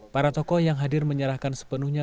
para tokoh yang hadir menyerahkan sepenuhnya